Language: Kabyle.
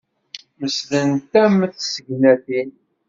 Mesdent am tsegnatin.